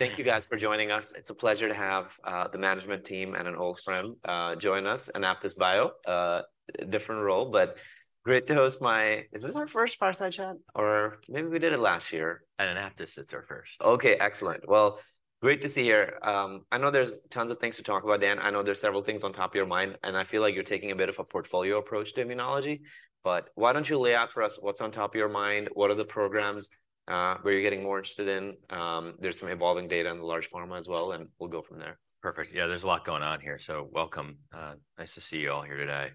Thank you guys for joining us. It's a pleasure to have the management team and an old friend join us, AnaptysBio. Different role, but great to host my— Is this our first fireside chat, or maybe we did it last year? At Anaptys, it's our first. Okay, excellent. Well, great to see you here. I know there's tons of things to talk about, Dan. I know there's several things on top of your mind, and I feel like you're taking a bit of a portfolio approach to immunology, but why don't you lay out for us what's on top of your mind? What are the programs, where you're getting more interested in? There's some evolving data in the large pharma as well, and we'll go from there. Perfect. Yeah, there's a lot going on here, so welcome. Nice to see you all here today.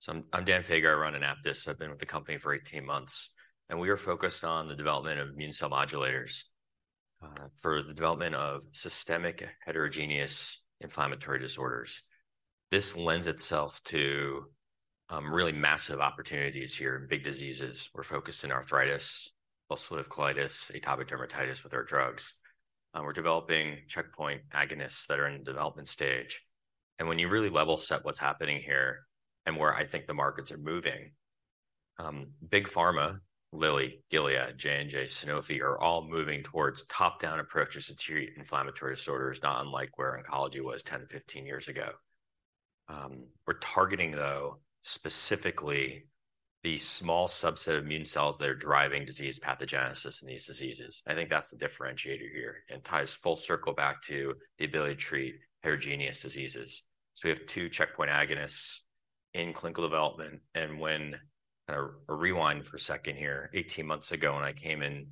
So I'm Dan Faga. I run Anaptys. I've been with the company for 18 months, and we are focused on the development of immune cell modulators for the development of systemic heterogeneous inflammatory disorders. This lends itself to really massive opportunities here, big diseases. We're focused in arthritis, ulcerative colitis, atopic dermatitis with our drugs. And we're developing checkpoint agonists that are in the development stage. And when you really level set what's happening here and where I think the markets are moving, big pharma, Lilly, Gilead, J&J, Sanofi, are all moving towards top-down approaches to treat inflammatory disorders, not unlike where oncology was 10-15 years ago. We're targeting, though, specifically the small subset of immune cells that are driving disease pathogenesis in these diseases. I think that's the differentiator here, and ties full circle back to the ability to treat heterogeneous diseases. So we have two checkpoint agonists in clinical development, and when... I'll rewind for a second here. 18 months ago, when I came in,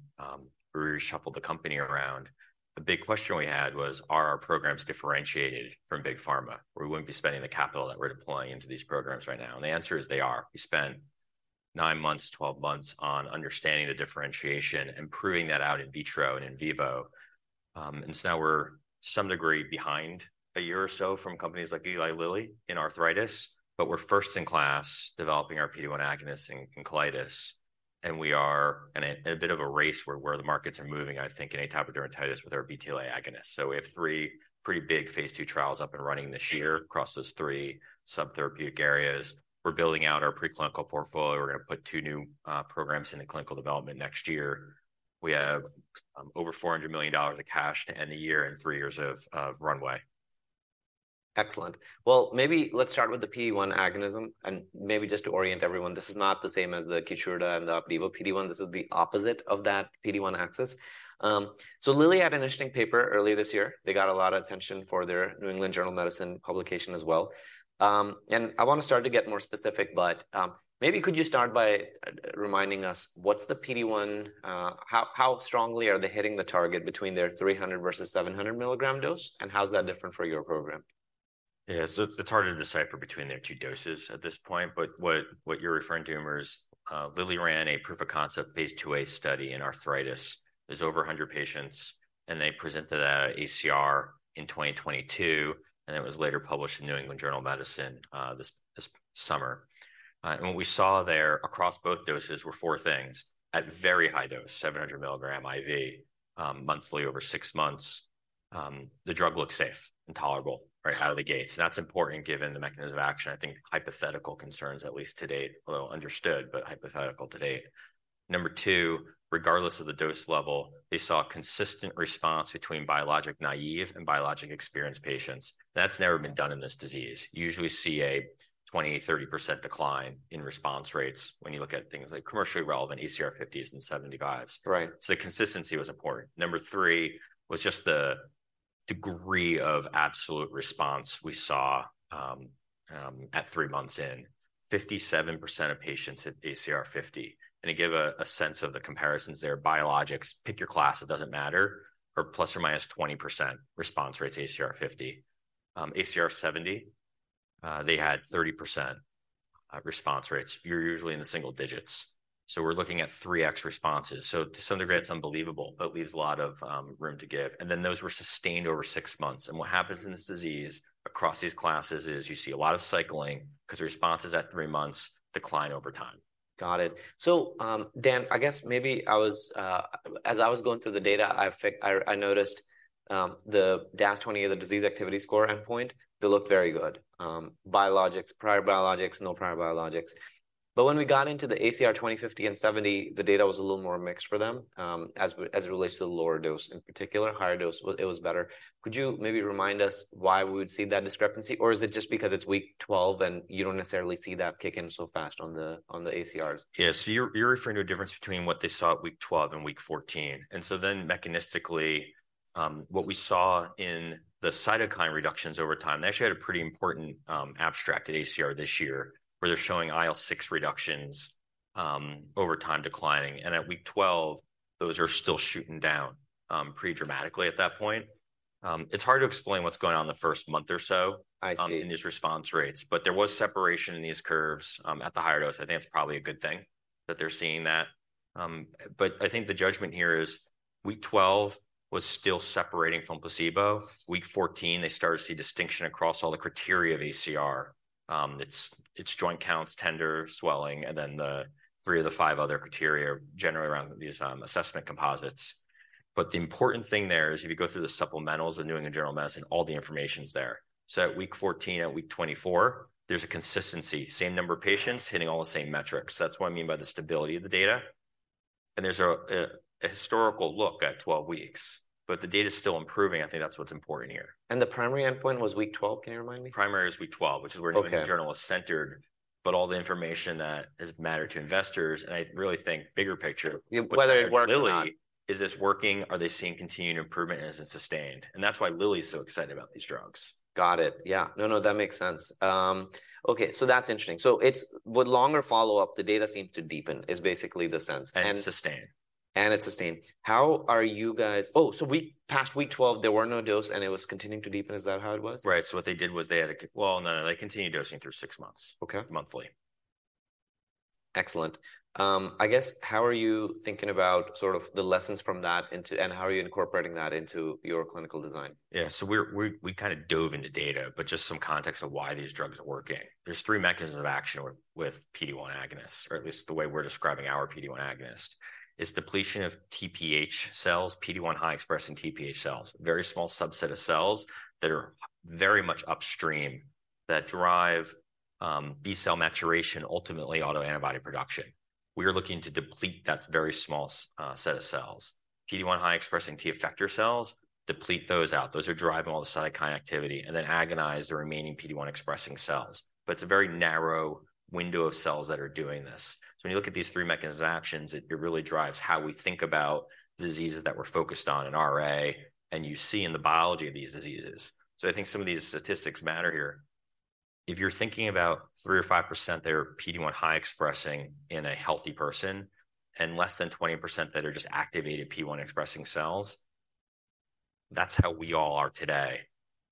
we reshuffled the company around. The big question we had was, are our programs differentiated from big pharma, or we wouldn't be spending the capital that we're deploying into these programs right now? And the answer is they are. We spent nine to 12 months on understanding the differentiation and proving that out in vitro and in vivo. And so now we're some degree behind a year or so from companies like Eli Lilly in arthritis, but we're first in class developing our PD-1 agonist in colitis, and we are in a bit of a race where the markets are moving, I think, in atopic dermatitis with our BTLA agonist. So we have three pretty big phase II trials up and running this year across those three subtherapeutic areas. We're building out our preclinical portfolio. We're gonna put two new programs into clinical development next year. We have over $400 million of cash to end the year and three years of runway. Excellent. Well, maybe let's start with the PD-1 agonism, and maybe just to orient everyone, this is not the same as the Keytruda and the Opdivo PD-1. This is the opposite of that PD-1 axis. So Lilly had an interesting paper earlier this year. They got a lot of attention for their New England Journal of Medicine publication as well. And I want to start to get more specific, but maybe could you start by reminding us, what's the PD-1? How strongly are they hitting the target between their 300 mg versus 700 mg dose, and how is that different for your program? Yeah. So it's harder to decipher between their two doses at this point, but what you're referring to, Umar, is, Lilly ran a proof of concept phase IIa study in arthritis. There's over 100 patients, and they presented that at ACR in 2022, and it was later published in New England Journal of Medicine, this summer. And what we saw there across both doses were four things: at very high dose, 700 mg IV, monthly over six months, the drug looks safe and tolerable right out of the gate. So that's important given the mechanism of action. I think hypothetical concerns, at least to date, well understood, but hypothetical to date. Number two, regardless of the dose level, they saw a consistent response between biologic-naive and biologic-experienced patients, and that's never been done in this disease. You usually see a 20%-30% decline in response rates when you look at things like commercially relevant ACR 50s and 75s. Right. The consistency was important. Number three was just the degree of absolute response we saw at three months in. 57% of patients hit ACR50, and to give a sense of the comparisons there, biologics, pick your class, it doesn't matter, are ±20% response rate to ACR50. ACR70, they had 30% response rates. You're usually in the single digits, so we're looking at 3x responses. So to some degree, that's unbelievable, but leaves a lot of room to give. And then those were sustained over six months. What happens in this disease across these classes is you see a lot of cycling because the responses at three months decline over time. Got it. So, Dan, I guess maybe I was... As I was going through the data, I noticed the DAS28, the disease activity score endpoint. They looked very good, biologics, prior biologics, no prior biologics. But when we got into the ACR20, ACR50, and ACR70, the data was a little more mixed for them, as it relates to the lower dose, in particular. Higher dose, it was better. Could you maybe remind us why we would see that discrepancy, or is it just because it's week 12, and you don't necessarily see that kick in so fast on the ACRs? Yeah. So you're, you're referring to a difference between what they saw at week 12 and week 14. And so then mechanistically, what we saw in the cytokine reductions over time, they actually had a pretty important abstract at ACR this year, where they're showing IL-6 reductions over time declining, and at week 12, those are still shooting down pretty dramatically at that point. It's hard to explain what's going on in the first month or so- I see... in these response rates, but there was separation in these curves, at the higher dose. I think it's probably a good thing that they're seeing that. But I think the judgment here is, week 12 was still separating from placebo. Week 14, they started to see distinction across all the criteria of ACR. It's joint counts, tender, swelling, and then the three of the five other criteria are generally around these assessment composites. But the important thing there is if you go through the supplementals of New England Journal of Medicine, all the information's there. So at week 14 and at week 24, there's a consistency, same number of patients hitting all the same metrics. That's what I mean by the stability of the data.... and there's a historical look at 12 weeks, but the data's still improving. I think that's what's important here. The primary endpoint was week 12? Can you remind me? Primary is week 12, which is where- Okay -the journal is centered, but all the information that has mattered to investors, and I really think bigger picture. Whether it worked or not. Lilly, is this working? Are they seeing continued improvement, and is it sustained? And that's why Lilly is so excited about these drugs. Got it. Yeah. No, no, that makes sense. Okay, so that's interesting. So it's with longer follow-up, the data seems to deepen, is basically the sense. And- It's sustained. It's sustained. How are you guys? Oh, so past week 12, there were no dose, and it was continuing to deepen. Is that how it was? Right. So what they did was they had-- Well, no, no, they continued dosing through six months- Okay... monthly. Excellent. I guess, how are you thinking about sort of the lessons from that into and how are you incorporating that into your clinical design? Yeah, so we kind of dove into data, but just some context of why these drugs are working. There's three mechanisms of action with PD-1 agonists, or at least the way we're describing our PD-1 agonist, is depletion of TPH cells, PD-1 high expressing TPH cells, very small subset of cells that are very much upstream, that drive B cell maturation, ultimately autoantibody production. We are looking to deplete that very small set of cells. PD-1 high expressing T effector cells, deplete those out. Those are driving all the cytokine activity, and then agonize the remaining PD-1 expressing cells. But it's a very narrow window of cells that are doing this. So when you look at these three mechanism of actions, it really drives how we think about diseases that we're focused on in RA, and you see in the biology of these diseases. So I think some of these statistics matter here. If you're thinking about 3% or 5%, they're PD-1 high expressing in a healthy person, and less than 20% that are just activated PD-1 expressing cells, that's how we all are today.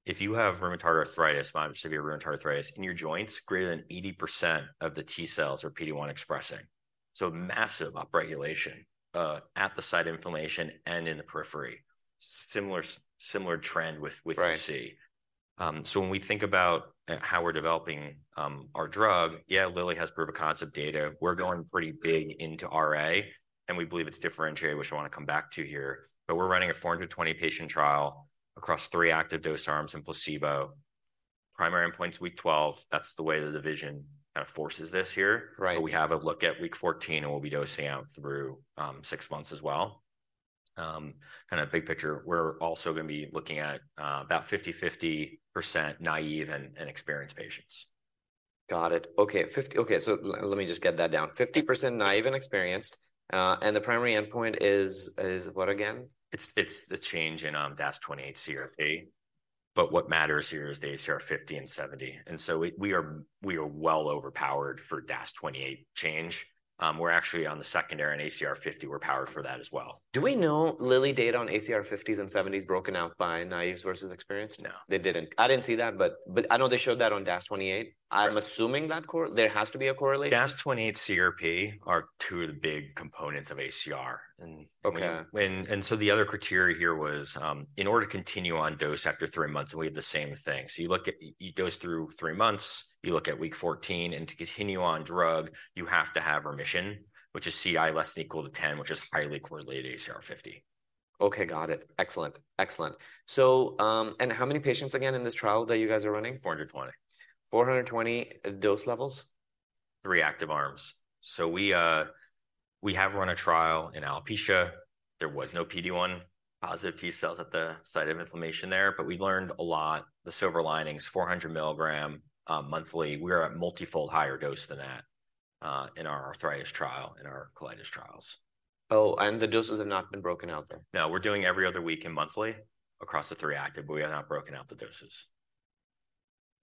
If you have rheumatoid arthritis, moderate to severe rheumatoid arthritis, in your joints, greater than 80% of the T cells are PD-1 expressing, so massive upregulation at the site of inflammation and in the periphery. Similar trend with, Right... AC. So when we think about how we're developing our drug, yeah, Lilly has proof of concept data. We're going pretty big into RA, and we believe it's differentiated, which I want to come back to here, but we're running a 420 patient trial across three active dose arms and placebo. Primary endpoint's week 12. That's the way the division, kind of, forces this here. Right. We have a look at week 14, and we'll be dosing out through six months as well. Kind of big picture, we're also going to be looking at about 50%/50% naive and experienced patients. Got it. Okay, 50%... Okay, so let me just get that down. 50% naive and experienced, and the primary endpoint is, is what again? It's the change in DAS28-CRP, but what matters here is the ACR50 and 70, and so we are well overpowered for DAS28 change. We're actually on the secondary in ACR50. We're powered for that as well. Do we know Lilly data on ACR fifties and seventies broken out by naïve versus experienced? No. They didn't. I didn't see that, but I know they showed that on DAS28. Right. I'm assuming that there has to be a correlation. DAS28-CRP are two of the big components of ACR, and- Okay... so the other criteria here was in order to continue on dose after three months, and we have the same thing. So you look at, you dose through three months, you look at week 14, and to continue on drug, you have to have remission, which is CI less than or equal to 10, which is highly correlated to ACR 50. Okay, got it. Excellent, excellent. So, and how many patients again, in this trial that you guys are running? 420. 420. Dose levels? Three active arms. So we have run a trial in alopecia. There was no PD-1 positive T cells at the site of inflammation there, but we learned a lot. The silver lining is 400 mg monthly. We are at multifold higher dose than that in our arthritis trial, in our colitis trials. Oh, and the doses have not been broken out there? No, we're doing every other week and monthly across the three active, but we have not broken out the doses.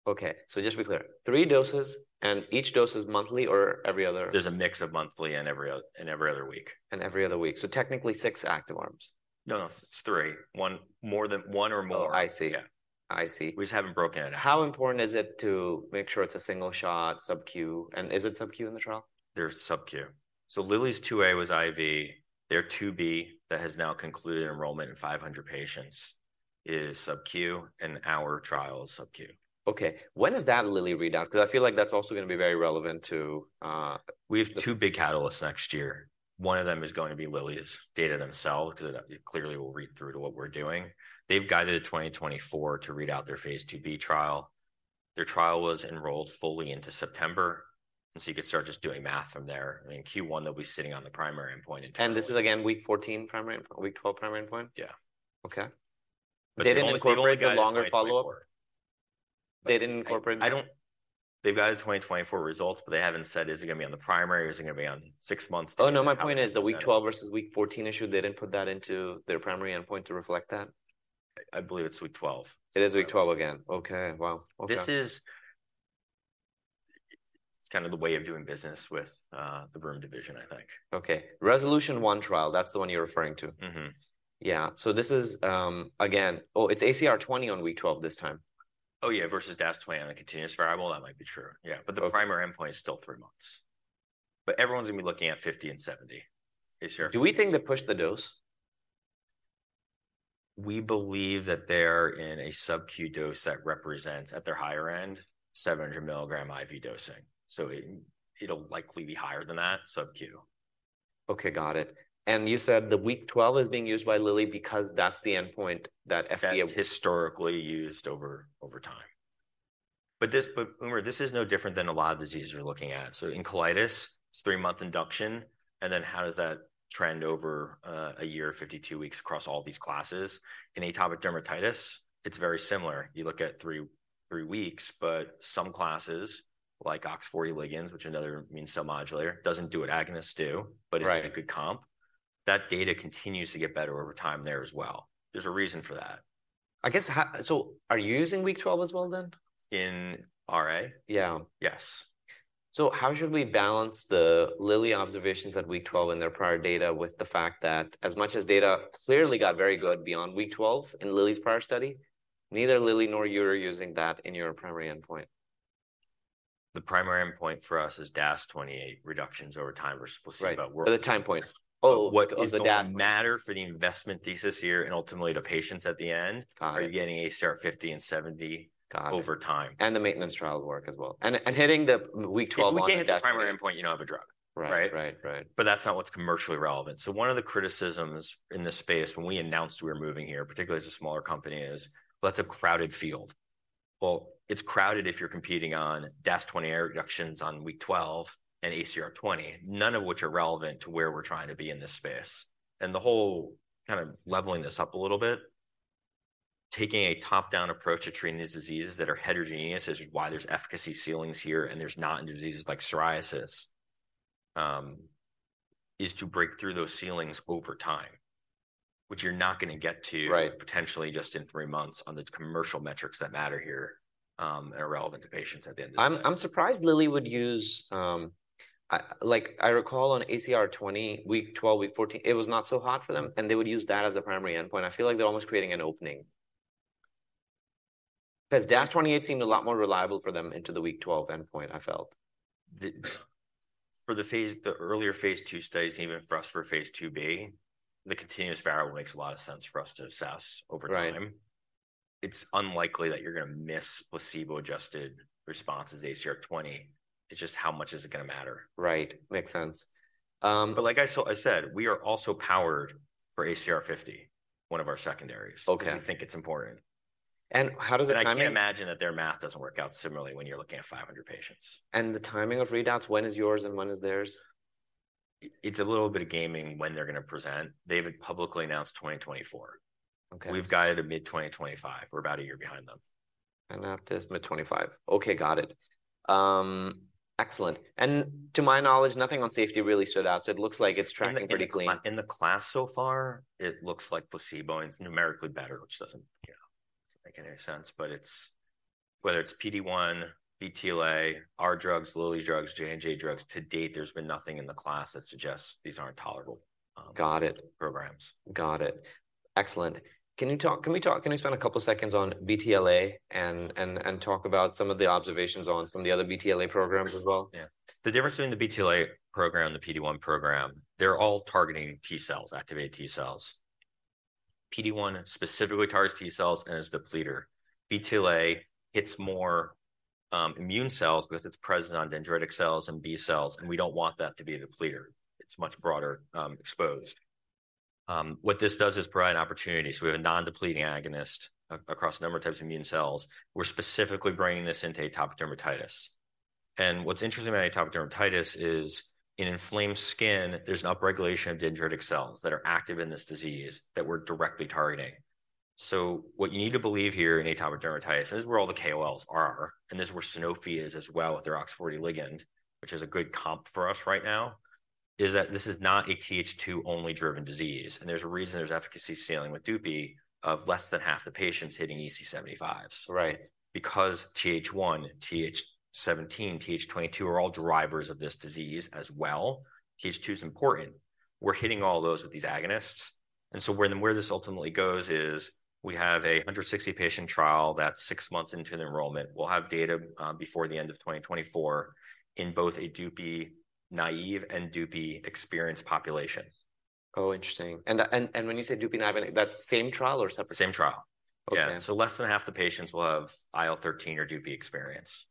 Okay, so just to be clear, three doses, and each dose is monthly or every other? There's a mix of monthly and every other week. Every other week. Technically, six active arms. No, no, it's three. One or more. Oh, I see. Yeah. I see. We just haven't broken it down. How important is it to make sure it's a single shot subQ, and is it subQ in the trial? They're subQ. So Lilly's 2a was IV. Their 2b, that has now concluded enrollment in 500 patients, is subQ, and our trial is subQ. Okay, when is that Lilly readout? Because I feel like that's also going to be very relevant to, We have two big catalysts next year. One of them is going to be Lilly's data themselves. It clearly will read through to what we're doing. They've guided 2024 to read out their phase IIb trial. Their trial was enrolled fully into September, and so you could start just doing math from there. I mean, Q1, they'll be sitting on the primary endpoint in- This is again, week 14, primary endpoint... week 12, primary endpoint? Yeah. Okay. But they only- They didn't incorporate a longer follow-up? -twenty twenty-four. They didn't incorporate- I don't— They've guided 2024 results, but they haven't said, is it going to be on the primary, or is it going to be on six months? Oh, no, my point is the week 12 versus week 14 issue. They didn't put that into their primary endpoint to reflect that? I believe it's week 12. It is week 12 again. Okay. Wow. Okay. This is. It's kind of the way of doing business with the Rheum division, I think. Okay, Resolution 1 trial, that's the one you're referring to. Mm-hmm. Yeah. So this is, again. Oh, it's ACR 20 on week 12 this time. Oh, yeah, versus DAS28 on a continuous variable, that might be true, yeah. Okay. The primary endpoint is still three months. But everyone's going to be looking at 50 and 70, ACR- Do we think they pushed the dose? We believe that they're in a subQ dose that represents, at their higher end, 700 mg IV dosing, so it'll likely be higher than that subQ. Okay, got it. You said the week 12 is being used by Lilly because that's the endpoint that FDA- That's historically used over time. But Umar, this is no different than a lot of diseases we're looking at. So in colitis, it's three-month induction, and then how does that trend over a year, 52 weeks across all these classes? In atopic dermatitis, it's very similar. You look at three weeks, but some classes, like OX40 ligands, which another immune cell modulator, doesn't do what agonists do- Right. It's a good comp. That data continues to get better over time there as well. There's a reason for that. I guess, so are you using week 12 as well then? In RA? Yeah. Yes. How should we balance the Lilly observations at week 12 in their prior data with the fact that as much as data clearly got very good beyond week 12 in Lilly's prior study, neither Lilly nor you are using that in your primary endpoint? The primary endpoint for us is DAS28 reductions over time or placebo work. Right, at the time point. Oh, on the DAS- What is going to matter for the investment thesis here, and ultimately the patients at the end- Got it... Are you getting ACR50 and 70- Got it - over time. The maintenance trial work as well. Hitting the week 12 on that- If we can't hit the primary endpoint, you don't have a drug. Right. Right? Right, right. That's not what's commercially relevant. One of the criticisms in this space when we announced we were moving here, particularly as a smaller company, is well, that's a crowded field. Well, it's crowded if you're competing on DAS28 reductions on week 12 and ACR20, none of which are relevant to where we're trying to be in this space. And the whole kind of leveling this up a little bit, taking a top-down approach to treating these diseases that are heterogeneous is why there's efficacy ceilings here, and there's not in diseases like psoriasis, is to break through those ceilings over time, which you're not going to get to- Right... potentially just in three months on the commercial metrics that matter here, and are relevant to patients at the end of the day. I'm surprised Lilly would use. Like, I recall on ACR20, week 12, week 14, it was not so hot for them, and they would use that as a primary endpoint. I feel like they're almost creating an opening. Because DAS28 seemed a lot more reliable for them into the week 12 endpoint, I felt. For the phase, the earlier phase II studies, even for us for phase II, the continuous barrel makes a lot of sense for us to assess over time. Right. It's unlikely that you're going to miss placebo-adjusted responses ACR20. It's just how much is it going to matter? Right. Makes sense. But like I said, we are also powered for ACR50, one of our secondaries. Okay. because we think it's important. And how does the timing- I can't imagine that their math doesn't work out similarly when you're looking at 500 patients. The timing of readouts, when is yours and when is theirs? It's a little bit of gaming when they're going to present. They've publicly announced 2024. Okay. We've guided to mid-2025. We're about a year behind them. That is mid-2025. Okay, got it. Excellent. And to my knowledge, nothing on safety really stood out, so it looks like it's tracking pretty clean. In the class so far, it looks like placebo, and it's numerically better, which doesn't, you know, make any sense. But it's whether it's PD-1, BTLA, our drugs, Lilly's drugs, J&J drugs, to date, there's been nothing in the class that suggests these aren't tolerable- Got it - programs. Got it. Excellent. Can we talk, can we spend a couple seconds on BTLA and talk about some of the observations on some of the other BTLA programs as well? Yeah. The difference between the BTLA program and the PD-1 program, they're all targeting T cells, activated T cells. PD-1 specifically targets T cells and is depleter. BTLA hits more, immune cells because it's present on dendritic cells and B cells, and we don't want that to be a depleter. It's much broader, exposed. What this does is provide opportunities. We have a non-depleting agonist across a number of types of immune cells. We're specifically bringing this into atopic dermatitis. And what's interesting about atopic dermatitis is, in inflamed skin, there's an upregulation of dendritic cells that are active in this disease that we're directly targeting. So what you need to believe here in atopic dermatitis, this is where all the KOLs are, and this is where Sanofi is as well with their OX40 ligand, which is a good comp for us right now, is that this is not a Th2 only driven disease. And there's a reason there's efficacy ceiling with DUPI of less than half the patients hitting EASI 75s. Right. Because Th1, Th17, Th22 are all drivers of this disease as well. Th2 is important. We're hitting all those with these agonists. And so where then, where this ultimately goes is, we have a 160-patient trial that's six months into the enrollment. We'll have data before the end of 2024 in both a DUPI-naive and DUPI-experienced population. Oh, interesting. And when you say DUPI-naive, that's the same trial or separate? Same trial. Okay. Yeah. So less than half the patients will have IL-13 or DUPI experience.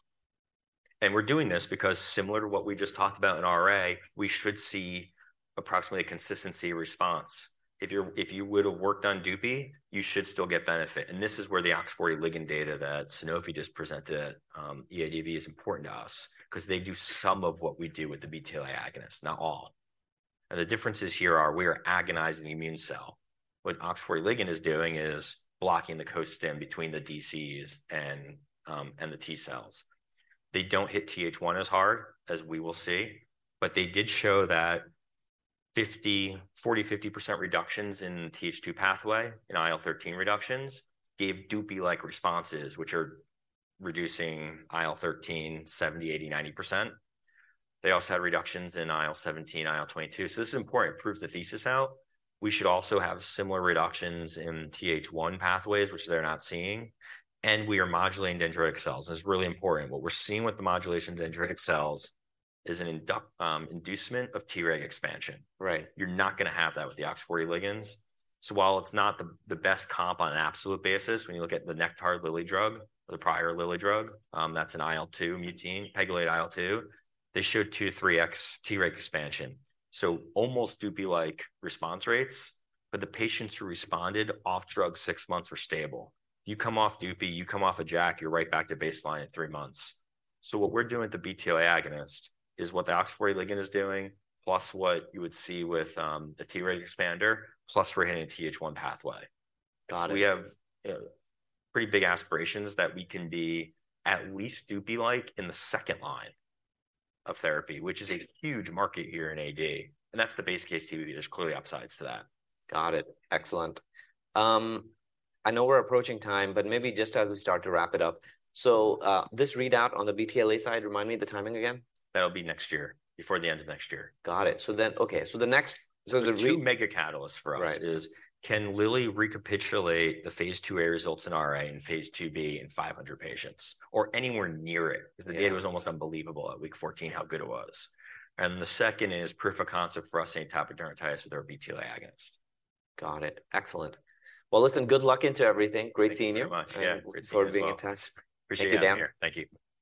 And we're doing this because similar to what we just talked about in RA, we should see approximately a consistency response. If you would have worked on DUPI, you should still get benefit. And this is where the OX40 ligand data that Sanofi just presented, EADV is important to us, because they do some of what we do with the BTLA agonist, not all. And the differences here are we are agonizing the immune cell. What OX40 ligand is doing is blocking the co-stim between the DCs and, and the T cells. They don't hit Th1 as hard as we will see, but they did show that 50, 40, 50% reductions in Th2 pathway, in IL-13 reductions, gave DUPI-like responses, which are reducing IL-13, 70, 80, 90%. They also had reductions in IL-17, IL-22. So this is important, it proves the thesis out. We should also have similar reductions in Th1 pathways, which they're not seeing, and we are modulating dendritic cells. This is really important. What we're seeing with the modulation of dendritic cells is an inducement of Treg expansion. Right. You're not going to have that with the OX40 ligands. So while it's not the best comp on an absolute basis, when you look at the Nektar Lilly drug, or the prior Lilly drug, that's an IL-2 mutant, pegylated IL-2, they showed 2x-3x Treg expansion. So almost DUPI-like response rates, but the patients who responded off drug six months were stable. You come off DUPI, you come off a JAK, you're right back to baseline in three months. So what we're doing with the BTLA agonist is what the OX40 ligand is doing, plus what you would see with a Treg expander, plus we're hitting a Th1 pathway. Got it. So we have pretty big aspirations that we can be at least DUPI-like in the second line of therapy, which is a huge market here in AD, and that's the base case TV. There's clearly upsides to that. Got it. Excellent. I know we're approaching time, but maybe just as we start to wrap it up, so, this readout on the BTLA side, remind me the timing again. That'll be next year, before the end of next year. Got it. So then... Okay, so the next, so the re- The two mega catalysts for us- Right... is, can Lilly recapitulate the phase IIa results in RA and phase IIb in 500 patients, or anywhere near it? Yeah. Because the data was almost unbelievable at week 14, how good it was. The second is proof of concept for us in atopic dermatitis with our BTLA agonist. Got it. Excellent. Well, listen, good luck into everything. Great seeing you. Thank you very much. Yeah, great seeing you as well. Look forward to being in touch. Appreciate you having me here. Take care, Dan. Thank you.